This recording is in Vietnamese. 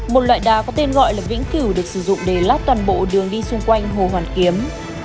một loại đà có tên gọi là vĩnh cửu được sử dụng để lát toàn bộ đường đi xung quanh hồ hoàn kiếm